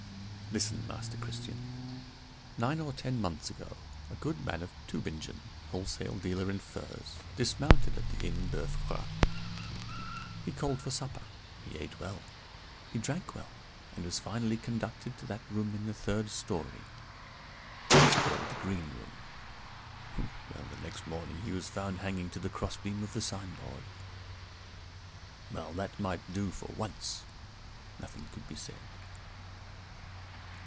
"Listen, Master Christian. Nine or ten months ago a good man of Tübingen, wholesale dealer in furs, dismounted at the Inn Boeuf Gras. He called for supper; he ate well; he drank well; and was finally conducted to that room in the third story it is called the Green Room. Well, the next morning he was found hanging to the crossbeam of the signboard. "Well, that might do for once; nothing could be said.